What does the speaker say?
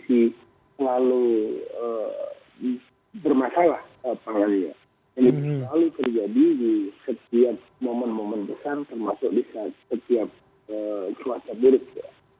ini selalu terjadi di setiap momen momen besar termasuk di saat setiap cuaca buruk ya